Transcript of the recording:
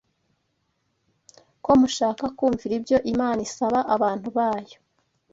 ko mushaka kumvira ibyo Imana isaba abantu bayo.